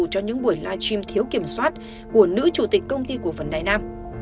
cho những buổi live stream thiếu kiểm soát của nữ chủ tịch công ty cổ phần đài nam